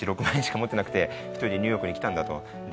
６万円しか持ってなくて一人でニューヨークに来たんだと。